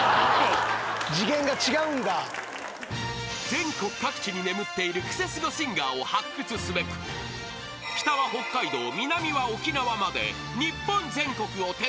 ［全国各地に眠っているクセスゴシンガーを発掘すべく北は北海道南は沖縄まで］